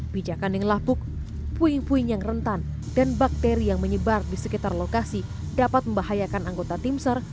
pijakan yang lapuk puing puing yang rentan dan bakteri yang menyebar di sekitar lokasi dapat membahayakan anggota tim sar